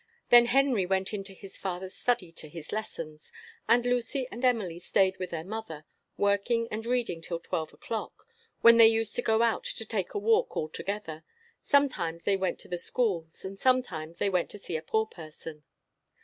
Then Henry went into his father's study to his lessons; and Lucy and Emily stayed with their mother, working and reading till twelve o'clock, when they used to go out to take a walk all together; sometimes they went to the schools, and sometimes they went to see a poor person.